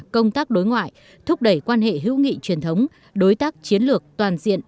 công tác đối ngoại thúc đẩy quan hệ hữu nghị truyền thống đối tác chiến lược toàn diện